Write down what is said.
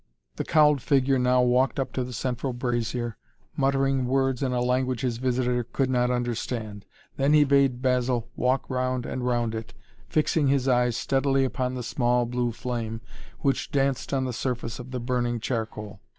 The cowled figure now walked up to the central brazier, muttering words in a language his visitor could not understand. Then he bade Basil walk round and round it, fixing his eyes steadily upon the small blue flame which danced on the surface of the burning charcoal.